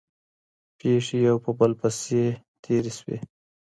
پېښې یو پر بل پسې تېرې سوې.